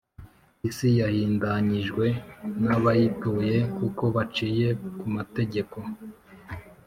Isi yahindanyijwe n’abayituye, kuko baciye ku mategeko,